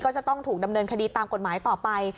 ก็จะต้องถูกดำเนินคดีตามกฎหมายต่อไป